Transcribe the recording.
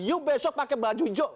you besok pakai baju jok